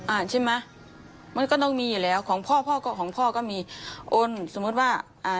อ่าใช่ไหมมันก็ต้องมีอยู่แล้วของพ่อพ่อก็ของพ่อก็มีโอนสมมุติว่าอ่า